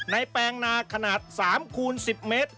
แปลงนาขนาด๓คูณ๑๐เมตร